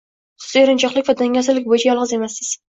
Siz erinchoqlik va dangasalik bo’yicha yolg’iz emassiz!